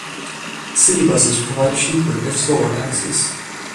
City buses provide cheaper if slower access.